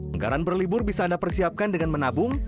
anggaran berlibur bisa anda persiapkan dengan menabung